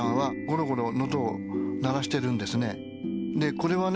これはね